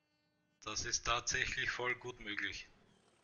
Das ist tatsächlich voll gut möglich.